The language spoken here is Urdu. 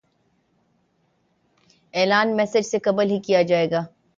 اعلان میچ سے قبل ہی کیا جائے گا